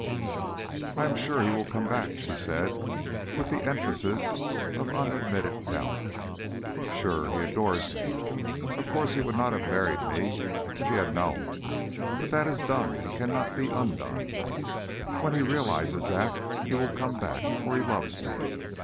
"I am sure he will come back," she said, with the emphasis of unadmitted doubt. "Sure! He adores me. Of course he would not have married me if he had known, but that is done and cannot be undone. When he realizes that, he will come back, for he loves me.